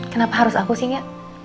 kenapa harus aku sih